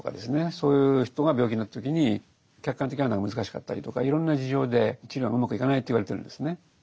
そういう人が病気になった時に客観的判断が難しかったりとかいろんな事情で治療がうまくいかないと言われてるんですね。